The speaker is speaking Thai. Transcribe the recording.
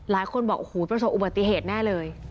หลายคนบอกโอ้โหประสบอุบัติเหตุแน่เลย